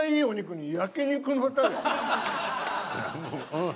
うん。